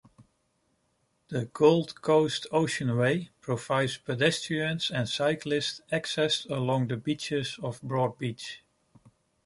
The Gold Coast Oceanway provides pedestrians and cyclists access along the beaches of Broadbeach.